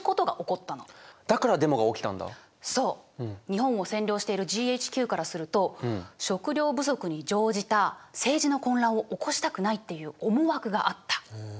日本を占領しているＧＨＱからすると食糧不足に乗じた政治の混乱を起こしたくないっていう思惑があった。